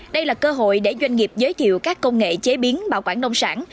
đây là cơ hội để doanh nghiệp giới thiệu các công nghệ chế biến bảo quản nông sản